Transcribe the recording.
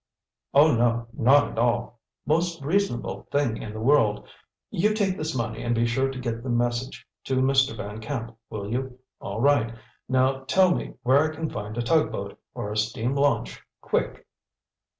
"Oh, no, not at all; most reasonable thing in the world. You take this money and be sure to get the message to Mr. Van Camp, will you? All right. Now tell me where I can find a tug boat or a steam launch, quick."